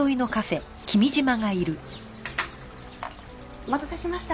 お待たせしました。